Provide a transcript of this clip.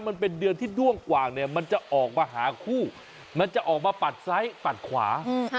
มันเป็นเดือนที่ด้วงกว่างเนี่ยมันจะออกมาหาคู่มันจะออกมาปัดซ้ายปัดขวา